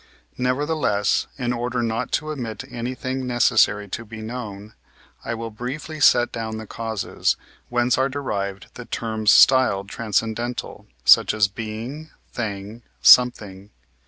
Nevertheless, in order not to omit anything necessary to be known, I will briefly set down the causes, whence are derived the terms styled transcendental, such as Being, Thing, Something.